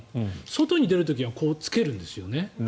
外に出る時は着けるんですよね。